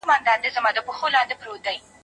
که پوهه عامه سي نو بدبختي له منځه ځي.